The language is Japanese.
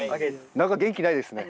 何か元気ないですね。